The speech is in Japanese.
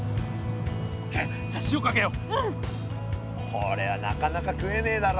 これはなかなか食えねえだろ。